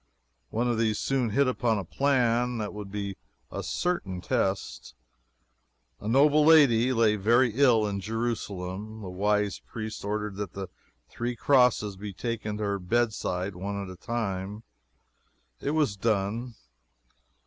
One of these soon hit upon a plan that would be a certain test. A noble lady lay very ill in Jerusalem. The wise priests ordered that the three crosses be taken to her bedside one at a time. It was done.